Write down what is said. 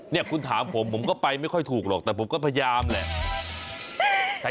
เนี่ยคุณถามผมผมก็ไปไม่ค่อยถูกหรอกแต่ผมก็พยายามแหละ